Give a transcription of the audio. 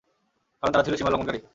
কারণ তারা ছিল সীমালঙ্ঘনকারী।